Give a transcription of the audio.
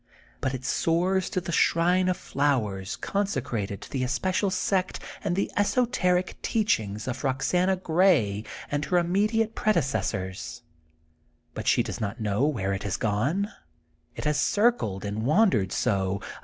But it soars to the Shrine of Flowers conse crated to the especial sect and the esoteric teachings of Boxana Grey and her immediate predecessors. But she does not know where it has gone, it has circled and wandered so.